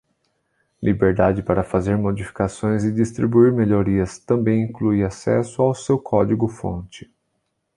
Liberdade para fazer modificações e distribuir melhorias; Também inclui acesso ao seu código-fonte.